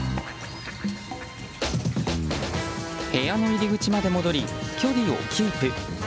部屋の入り口まで戻り距離をキープ！